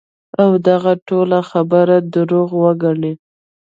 او دغه ټوله خبره دروغ وګڼی -